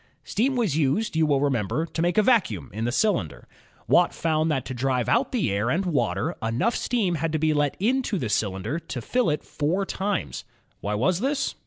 Steam was used, you will remember, to make a vacuum in the cylinder. Watt found that to drive out the air and water, enough steam had to be let into the cylinder to fill it four times. Why was this?